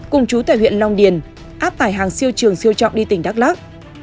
cùng chú tại huyện long điền áp tải hàng siêu trường siêu trọng đi tỉnh đắk lắc